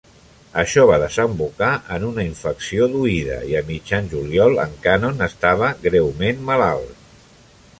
Això va desembocar en una infecció d'oïda i, a mitjan juliol, en Cannon estava greument malalt.